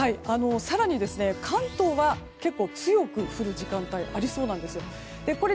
更に関東は結構、強く降る時間帯がありそうなんです。